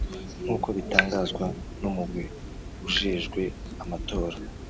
nk'uko bitangazwa n'umugwi ujejwe amatora